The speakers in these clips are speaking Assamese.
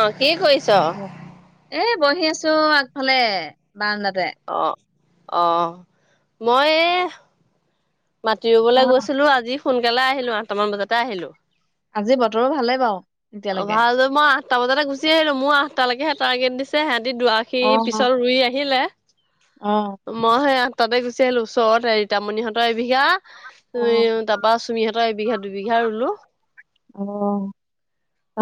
অঁ! কি কৰিছ? অ'। এ বহি আছোঁ আগফালে বাৰণ্ডাতে। অঁ! অঁ! মই এ মাতি ৰুবলে অ', গৈছিলো আজি সোনকালে আহিলো, আঠটামান বজাতে আহিলো। আজি বতৰো ভালে বাৰু অ এতিয়ালেকে। ভাল মই আঠটা বজতে গুচি আহিলো, মোৰ আঠটা লেকেহে টাৰ্গেট দিছে, সিহঁতি দু আ সি অ', পিছত ৰুই আহিলে। অ। মই সেই আঠ তাতে গুচি আহিলো ওচৰত ৰিতামণি হতৰ এবিঘা। অ', উম' তাপা চুমি হঁতৰ এবিঘা, দুবিঘা ৰুলো। অ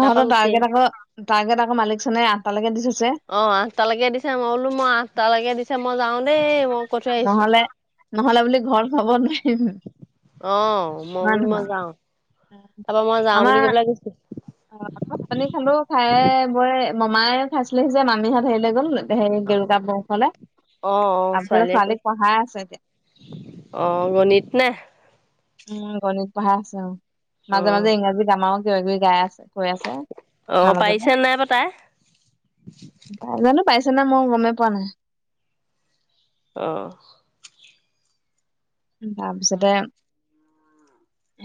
তাৰ পৰা গুচি টাৰ্গেট আহিলো আক টাৰ্গেট আক মালিক চনে আঠটালেকে দি থৈছে। অ আঠটালেকে দিছে মই বোলো মই আঠটালেকে দিছে, মই যাওঁ দেই। কৈ থৈ আহিছো ভাল হে, নহলে বুলি ঘৰত সোমাব নোৱাৰিম। অ মই হয় বোলো মই নহয়? যাওঁ, তাপা মই যাও বুলি আমাৰ কৈ পেলাই গো অ ভাত পানী খালো, খাই বৈ মামাই খাইছিলে সি যে, মামী হত হেৰিলে গ'ল। সেই দেউতা বংশলে, অ অ আগফালে ছোৱালীয়ে কৈছে ছোৱালীক পঢ়াই আছে এতিয়া। অ গণিত নে? উম' গণিত পঢ়াই আছে অ, মাজে অ' মাজে ইংৰাজী গ্ৰামাৰো কিবা কিবি গাই আছে। কৈ আছে অ' কথাৰ মাজতে। পাৰিছে নাই বা তাই নেজানো পাইছে নাই, মই গমেই পোৱা নাই। অ। তাৰপিছতে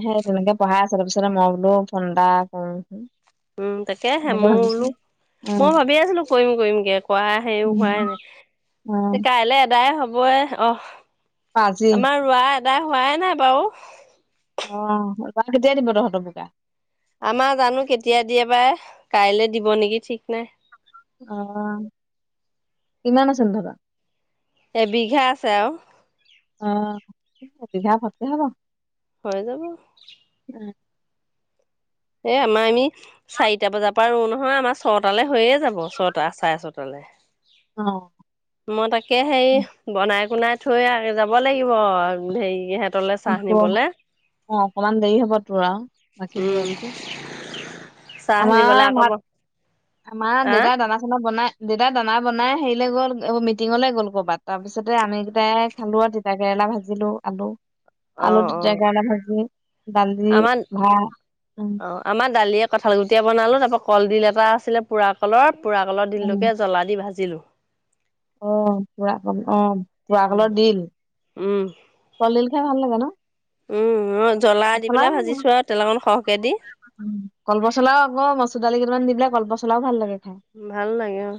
সে তেনেকে পঢ়াই আছে, তাৰপিছতে মই বোলো ফোন এটা কৰোঁ। উম' তাকেহে মইও বোলো। উম মই ভাবিয়ে আছিলো কৰিম কৰিম কে, কৰা হেৰি হোৱাই উম অ নাই। কাইলে এদায় হবই অ। আজি। আমাৰ ৰোৱা এদাই হোৱাই নাই বাও। অ তহঁতৰ কেতিয়া দিব তহঁতৰ বোকা। আমাৰ জানো কেতিয়া দিয়ে বা, কাইলে দিব নেকি ঠিক নাই। অ কিমান আছে নো তহঁতৰ। এবিঘা আছে আও। অ ছবিঘা থাকে হে ন। হৈ যাব। উম। এ আমাৰ নি চাৰিটা বজাত। পাৰোঁ নহয়, আমাৰ ছটালে হৈয়ে যাব, ছটা চাৰে ছয়টালে। অ। মই তাকে হেৰি বনাই কুনাই থৈ যাব লাগিব, হেৰি হেঁত অ অকমান দেৰি হ'ব তোৰ আও, উম বাকীবোৰত কৈ। চাহ নিবলে আমাৰ আকৌ ভাত, আমাৰ আহ দেউতা দানা দেতা দানা বনাই হেৰিলে গ'ল, মিটিঙলে গল কবাত, তাৰপিছতে আমি কেইটাই খালো। তিতা কেৰেলা ভাজিলো আলু। অ আলু, অ তিতা কেৰেলা ভাঁজি, দালি আমাৰ ভাত। অ আমাৰ দালিয়ে কঁঠালগুটিয়ে বনালো, তাপা কলডিল এটা আছিলে, পোৰা কলৰ পোৰা কলৰ উম ডিলটোকে জ্বলা দি ভাজিলো। অ পুৰা কল, অ পুৰা কলৰ ডিল, উম কল ডিল খাই ভাল লাগে ন? উম জ্বলা দি পচলা পেলাই ভাজিছো আৰু তেল অকন সৰহকে দি। কলপচলাও আকৌ মচুৰ দালি কেইটামান দি পেলাই, কলপচলাও ভাল লাগে খায়। ভাল লাগে অ'।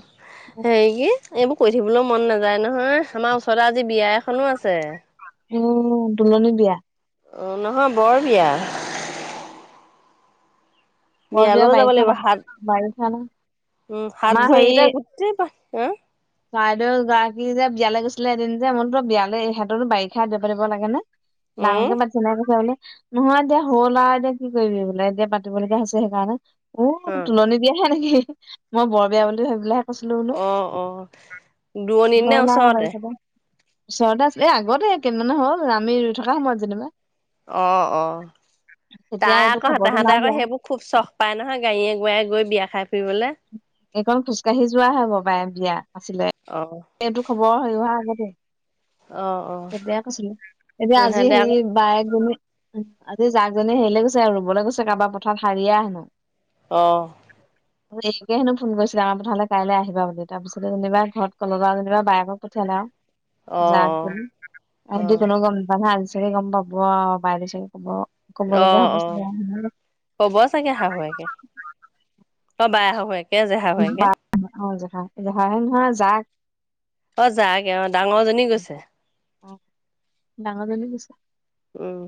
হেৰি কি, এইবোৰ কৈ থাকিবলৈও মন নাযায় নহয়, আমাৰ ওচৰতে আজি বিয়া এখনো আছে। উম, তুলনী বিয়া। অ', নহয়, বৰ বিয়া। বৰ বিয়া বিয়ালৈও যাব বাৰিষা লাগিব, হাত বাৰিষা ন উম, হাত আমাৰ ভৰিকেইটা গোটেই পাই হ'? বাইদেউ গৰাকী যে বিয়ালৈ গৈছিলে এদিন যে, মইতো বিয়ালে ইহঁতৰো বাৰিষা পাতিব লাগে নে! ডাঙৰকে পাতিছে নাই [unintelligible] নহয়, এতিয়া হ'ল আৰু এতিয়া কি কৰিবি বোলে এতিয়া পাতিবলগীয়া হৈছে সেইকাৰণে। অ ও তুলনি বিয়াহে নেকি, মই বৰ বিয়া বুলি ভাবি পেলাই হে কৈছিলোঁ। অ', অ'। দূৰণিত নে হ' নাই, ওচৰতে [unintelligible] ওচৰতে আছিলে, এ, আগতে কেদিনমান হ'ল আমি ৰৈ থকা সময়ত যেনিবা। অ', অ', তেতিয়া তাই এইটো আকৌ খবৰটো নাই তাহাঁতে আকৌ দিয়া সেইবোৰ খুব চখ পায় নহয়, গাড়ীয়ে গোৰায়ে গৈ বিয়া খাই ফুৰিবলৈ। এইকখন খোজকাঢ়ি যোৱা হ'ব পাই বিয়া আছিলে। অ'। এইটো খবৰ হেৰি অহা আগতে। অ অ তেতিয়াই কৈছিলে, এতিয়া আজি সিহঁতে আকৌ হেৰি বায়েকজনী আজি যাকজনী হেৰিলে গৈছে আৰু ৰুবলৈ গৈছে, কাৰোবাৰ পথাৰ হাৰিয়া অ'। [inaudible] হেনো ফোন কৰিছিলে। [unintelligible] প্ৰথমতে কাইলৈ আহিবা বুলি, তাৰপিছতে যেনিবা ঘৰত ক'লত যেনিবা বায়েকক পঠিয়ালে আৰু। অ যা গ'লি [unintelligible] অ সিহটি কোনেও গম নাপায়, আজি চাগে গম পাব [unintelligible] গম পাব। অ', অ', ক'ব চাগে শাহুৱুৱেকে। অ', বায়ে শাহুৱেক। [unintelligible] শাহুৱেকে। অ', জেঠা, জেঠা শাহুৱেক নহয় জানো? অ', যাগে আৰু ডাঙৰ জনী গৈছে। ডাঙৰ জনি গৈছে? উম,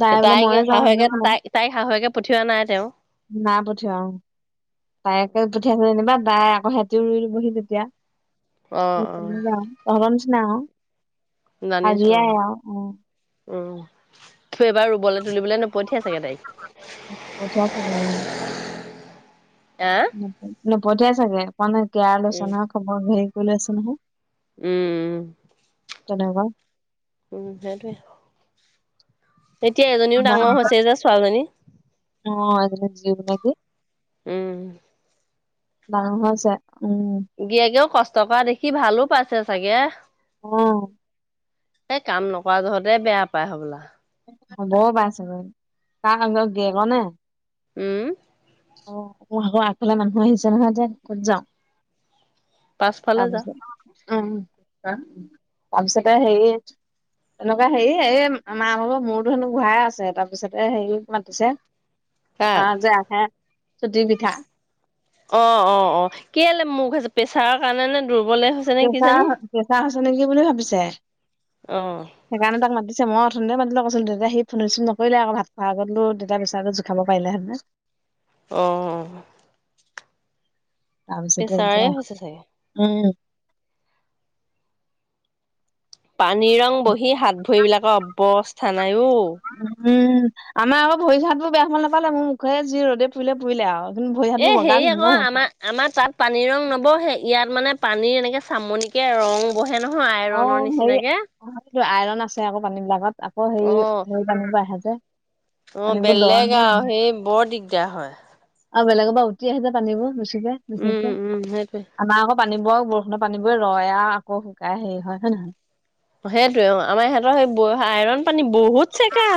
তাই বোলে তাইক ময়ে এই যাওঁ এনেকে শাহুয়েকে ক'লে তাই, তাইক শাহুয়েকে পঠিওৱা নাই তেওঁ। নাই পঠিওৱা অ'। বায়েকে পঠিয়াইছো যেনিবা তাই আকৌ সিহঁতিও মিলিবহি তেতিয়া। অ অ তহতৰ নিছিনা আৰু। জানিছোঁ অ'। হাজিয়াই আৰু উম উম, এবাৰ ৰুবলৈ তুলিবলৈ নপঠিয়াই চাগে তাইক। [inaudible] আহ'! নপঠিয়াই চাগে, মানে কেয়াৰ লৈছে উম নহয়, খবৰ হেৰি কৰি লৈছে নহয়। উম। তেনেকুৱা। উম, সেইটোৱে। এতিয়া এজনীও বা ডাঙৰ হৈছেহি যে ছোৱালীজনী। অ', [unintelligible] নেকি? উম। ডাঙৰ হৈছে, উম। জীয়কেও কষ্ট কৰা দেখি ভালো পাইছে চাগে। উম। এই কাম নকৰা জহতে বেয়া পায় হ'বলা। হব পাই ছাগে তাৰ [unintelligible] উম। অ, মোৰ আগৰ আগফালে মানুহ আহিছে নহয় যে ক'ত যাওঁ? পাছফালে যা তাৰপিছত [unintelligible] উম, তাৰপিছতে হেৰি, এনেকুৱা হেৰি এই মা ভাগৰ মোৰতো হেনো ঘূৰাই আছে। তাৰপিছতে হেৰিক মাতিছে, কাক তাৰ যে আহে চুটি পিঠা। অ অ অ কেলে মোৰ ঘূৰাইছে, প্ৰেছাৰৰ কাৰণে নে দুৰ্বলে, হৈছে নে কি প্ৰচা জানো প্ৰেছাৰ হৈছে নেকি বুলি ভাবিছে। অ। সেইকাৰণে তাক মাতিছে, মই অথনিতে মাতিলো কৈছে তেতিয়া সি ফোন ৰিচিভ নকৰিলে আকৌ ভাত খোৱা আগত তেতিয়া প্ৰেছাৰ টো জু খাব পাৰিলেহলে। অ অঁ অ। তাৰপিছতে প্ৰেছাৰে এতিয়া, হৈছে চাগে উম। পানী ৰং বহি হাত ভৰিবিলাকৰ অৱস্থা নাই অ। উম, আমাৰ আকৌ ভৰি হাত বোৰ বেয়া হ'ব নাপালে মোৰ মুখে যি ৰ'দে পুৰিলে পুৰিলে আৰু। মোৰ ভৰি এ হাতবোৰ বগা হেৰি আকৌ ধুনীয়া আমাৰ হয়। আমাৰ তাত পানী ৰং নবহে ইয়াত মানে পানীৰ এনেকে চামনিকে ৰং। বহে নহয়, আইৰনৰ নিচিনাকে। তাত আইৰণ আছে আকৌ পানী বিলাকত, আকৌ সেই হে পানীৰ পৰা আহে যে, অঁ পানীবোৰ দ বেলেগ নহয় আৰু জানো সেই বৰ দিগদাৰ হয়। আৰু বেলেগৰ পৰা উটা আহে যে পানীবোৰ বেছিকে উম বিশেষকে। উম সেইটোৱে আমাৰ আকৌ পানী বোৰ বৰষুণ পানীবোৰ ৰৈ আও, আকৌ শুকাই হেৰি হয় নে নহয়। সেইটোয়ে, অ' আমাৰ সিহঁতৰ সেই আইৰন পানী বহুত চেকা।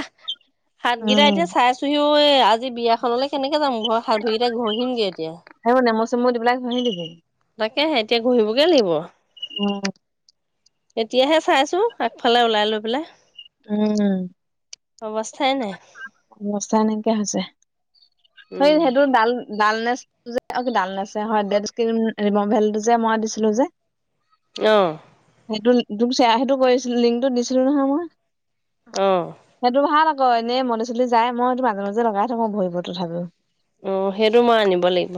হাতকেইটা উম এতিয়া চাইছোহিও, আজি বিয়াখনলৈ কেনেকে যাম, ঘৰত হাত ভৰিকেইটা ঘঁহিমগৈ এতিয়া। সেইবোৰ নেমু চেমু দি পেলাই ঘহি দিবি। তাকেহে, এতিয়া ঘহিবগে লাগিব। উম এতিয়াহে চাইছো আগফালে ওলাই লৈ পেলাই। উম। অৱস্থাই নাই। অৱস্থাই নাইকিয়া হৈছে। সেই উম সেইটো ডাল, ডালনেচ যে অ' কি ডালনেচে হে হয় ডেড স্ক্ৰিন ৰিম'ভেলটো মই দিছিলো যে। [inaudible] অ' সেইটো তোক চিয়েৰটো কৰিছিলো লিংকটো দিছিলো নহয় মই। অঁ সেইটো ভাল আকৌ এনে মলি চলি যায়, মই সেইটো মাজে মাজে লগাই থাকো ভৰিবোৰত তথাপিও। অ' সেইটো মই আনিব লাগিব।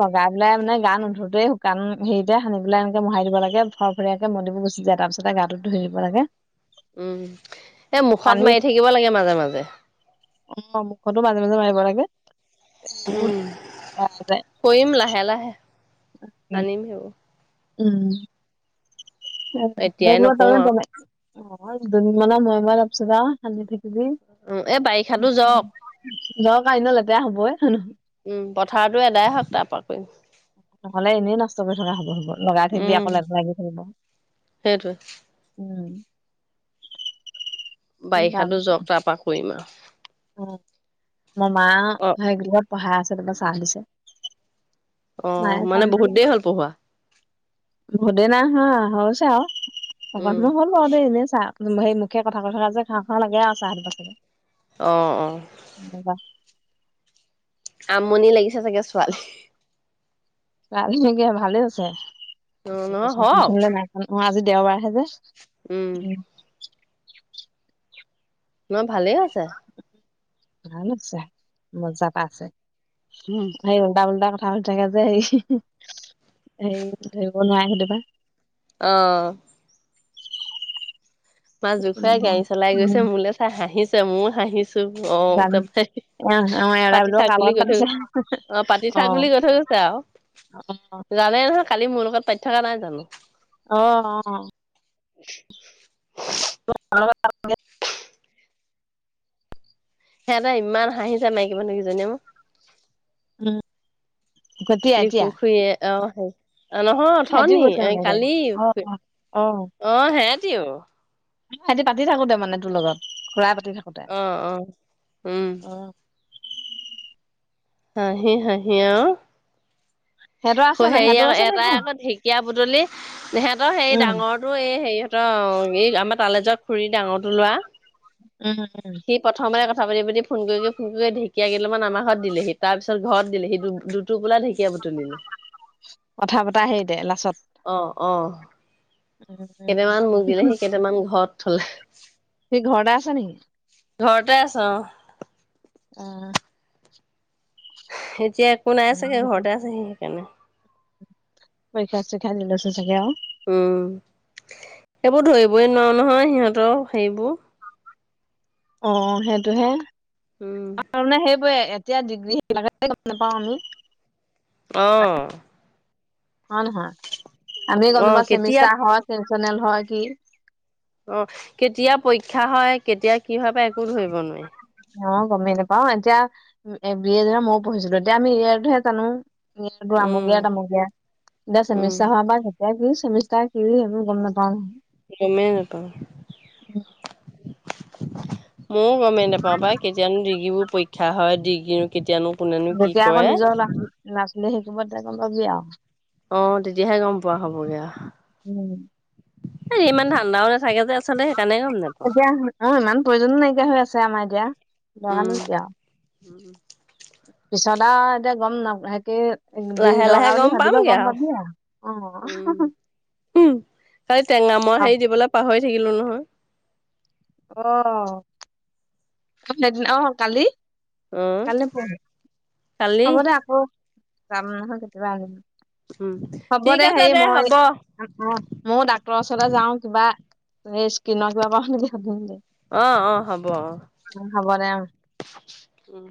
লগাই পেলাই মানে গা নোধোতে শুকান হেৰিতে সানি পেলাই এনেকে মোহাই দিব লাগে। ফৰফৰীয়াকে মলিবোৰ গুচি যায়, তাৰ পিছতে গাটো ধুই দিব লাগে। উম, এ মুখত পানীত মাৰি থাকিব লাগে মাজে মাজে। অ' মুখতো মাজে মাজে মাৰিব লাগে। উম [unintelligible] কৰিম লাহে লাহে, আনিম সেইবোৰ। উম্, এতিয়াই বেংগলোৰত নকওঁ বাহিৰত আৰু বনাই। হ'ব আৰু দুদিন মানৰ মুৰে মুৰে। তাৰপিছত সানি থাকিবি। উম এই বাৰিষাতো যাওক দৰকাৰ নাই, আনেও লেতেৰা হ'বই হয়নে, নহয়। উম্, পথাৰতো এদাই হওঁক তাৰপৰা কৰিম। নহ'লে এনেই নষ্ট কৰি থকা হ'ব হ'ব, লগাই থাকিব উম আকৌ লেতেৰা লাগি থাকিব। সেইটোৱে উম্। বাৰিষাতো যাওঁক, তাৰপা কৰিম আৰু। অ', মোৰ মা অ সেই পঢ়াই আছে, তোমাক চাহ দিছে। অ', মানে বহুত দেৰি হ'ল পঢ়োৱা? বহুত দেৰি নাই হোৱা, হৈছে আৰু উম অকনমান সময় হ'ল। অ', দে এনে চাহ, সেই মুখে কথা কৈ থকা যে খাওঁ খাওঁ লাগে আৰু চাহ একাপ। অ', অ'। অ'। আমনি লাগিছে চাগে ছোৱালীৰ। ছোৱালী নেকি ভালে হৈছে। অ তাই নহয় টিউচন চিউচনলে নাই যোৱা যে। অ'আজি দেওবাৰহে যে। উম্। উম নহয় ভালেই হৈছে। ভাল হৈছে, মজা এটা পাইছে। উম্। তাই উল্টা পুল্টা কথা শুধি থাকে যে, এই হেৰি ধৰিব নোৱাৰে কেতিয়াবা। অ', মাজুখুৰাই গাড়ী চলাই গৈছে। উম মোলৈ চাই হাঁহিছে, মইয়ো হাঁহিছো। অ' তাৰ আহ্, আমাৰ এওৰাই বোলো কাৰ লগত পাতিছে, অ পাতি থাক অ', অ'। জানেই নহয়, কালি মোৰ লগত পাতি থকা নাই জানোঁ। অ' অ'অ'। মোৰ লগত সিহঁতে ইমান হাঁহিছে, মাইকি মানুহ কিজনীয়েওঁ। উম্। লিকু খুৰীয়ে। অ' নহয়, সিহঁতিও অথনি, গৈছে মানে এই তাই কালি। অ', অ', সেহেতিও। সিহঁতি পাতি থাকোতে মানে তোৰ লগত, খুৰাই পাতি থাকোঁ অ', অ', উম্। হাঁহি হাঁহি আৰু। সিহঁতৰ আছে নাই হেৰি সিহঁতৰ আকৌ, আছে নাই ক এটাই আকৌ ঢেকীয়া বুটলি। সিহঁতৰ হেৰি উম, ডাঙৰ এই হেৰিহতৰ, এই আমাৰ তালে যোৱা খুৰী ডাঙৰটো ল'ৰা। উম্, উম্। সি প্ৰথমতে কথা পাতি পাতি ফোন কৰি ফোন কৰি কৰি ঢেকীয়া কেইদালামান আমাৰ ঘৰত দিলেহি। তাৰ পিছত ঘৰত দিলেহি দুটোপোলা ঢেকীয়া বুতলিলে। কথা পতা হেৰিতে, লাচত। অ', অ', কেইটামান মোক দিলেহি, কেইটামান ঘৰত থ'লে। সি ঘৰতে আছে নেকি? ঘৰতে আছে অ'। উম্। এতিয়া একো নাই চাগে, ঘৰতে আছে সি সেইকাৰণে। পৰীক্ষা চৰিখা [unintelligible] চাগে আও উম, এইবোৰ ধৰিবই নোৱাৰো নহয়, সিহঁতৰ হেৰিবোৰ। অ', সেইটোহে উম, আৰু মানে সেইবোৰে এতিয়া ডিগ্ৰী সেইবিলাকে গম নাপাওঁ আমি। অ' হয় নহয়, আমিয়ে গম অ', নাপাওঁ, কেতিয়া ছেমিষ্টাৰ হয়, [unintelligible] চনেল হয় কি অ', কেতিয়া পৰীক্ষা হয়, কেতিয়া কি হয় বা একো ধৰিব নোৱাৰি। অ', গমেই নাপাও, এতিয়া এ, বি এ যেনিবা মইও পঢ়িছিলো, এতিয়া আমি ইয়েৰটোহে জানো। [unintelligible] উম আমুকীয়া তামুকীয়া, এতিয়া উম চেমিষ্টাৰ হোৱাৰ পা যেতিয়া কি চেমিষ্টাৰ এই, এইবোৰ গম নাপাওঁ নহয়। গমেই নাপাও মও গমেই নাপাওঁ পাই, কেতিয়ানো ডিগ্ৰী বোৰ পৰীক্ষা হয়, ডিগ্ৰীনো কেতিয়ানো, কোনেনো কি আকৌ কৰে। নিজৰ ল'ৰা ল'ৰা-ছোৱালী হেৰী কৰিব যেতিয়া গম পাবি আৰু অ', তেতিয়াহে গম পোৱা হ'বগে আৰু। উম এ, ইমান ধাণ্ডাও নাথাকে যে আচলতে সেইকাৰণে গম নাপাওঁ এতিয়া অ', ইমান প্ৰয়োজনো নাইকিয়া হৈ আছে, আমাৰ এতিয়া ল'ৰা উম নো কি আৰু [unintelligible] পিছত আৰু এতিয়া, গম না সে কি লাহে যদি লাহে দৰকাৰ গম বুলি ভাবিলও, পামগে গম আৰু পাবি আও উম অ', উম, খালি টেঙা মৰা অ হেৰি দিবলে পাহৰি থাকিলো নহয়। অ' [unintelligible] অ', কালি, অ কাইলে পম, কালি হ'ব দে আকৌ চাম নহয়, কেতিয়া [unintelligible] উম, ঠিক আছে দে হ'ব। অ', ময়ো ডাক্তৰৰ ওচৰলে যাও কিবা, এই স্কিনৰ কিবা পাও নেকি শুধুংগে? অ', অ ', হ'ব, অ' অ', হবদে অ' উম।